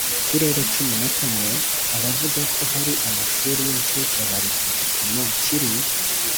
turere cumi na kamwe abavuga ko hari amashuri y incuke bari ku gipimo kiri